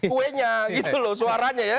kuenya gitu loh suaranya ya